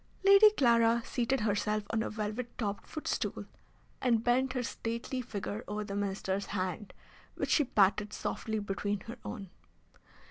Lady Clara seated herself on a velvet topped footstool, and bent her stately figure over the Minister's hand, which she patted softly between her own.